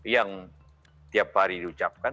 yang tiap hari diucapkan tiap hari di ucapkan